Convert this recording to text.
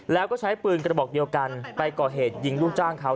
แล้วก็ใช้ปืนกระบอกเดียวกันไปก่อเหตุยิงลูกจ้างเขา